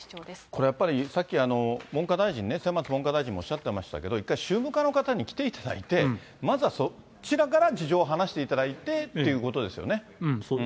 これやっぱり、さっき文科大臣ね、末松文科大臣もおっしゃっていましたけれども、一回宗務課の方に来ていただいて、まずはそちらから事情を話していただいてということですよね。